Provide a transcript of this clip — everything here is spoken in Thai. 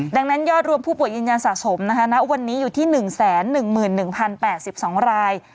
ดังนั้นยอดรวมผู้ป่วยยืนยันสะสมนะคะณวันนี้อยู่ที่๑๑๑๐๘๒ราย